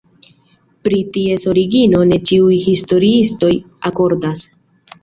Pri ties origino ne ĉiuj historiistoj akordas.